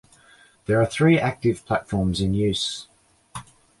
There are three active platforms in use.